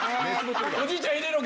おじいちゃん入れろ！